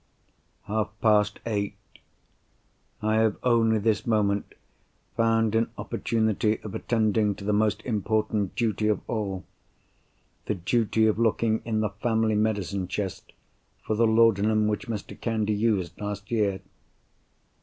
Half past eight.—I have only this moment found an opportunity of attending to the most important duty of all; the duty of looking in the family medicine chest, for the laudanum which Mr. Candy used last year.